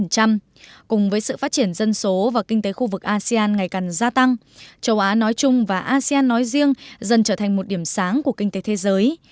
cùng với sự phát triển dân số và kinh tế khu vực asean ngày càng gia tăng châu á nói chung và asean nói riêng dần trở thành một điểm sáng của kinh tế thế giới